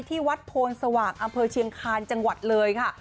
ที่วัดโพนสว่างอำเภอเชียงคาญจังหวัดเลยค่ะ